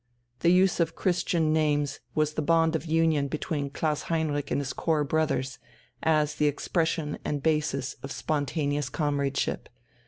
The use of Christian names was the bond of union between Klaus Heinrich and his corps brothers, as the expression and basis of spontaneous comradeship.